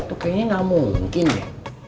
tuh kayaknya nggak mungkin ya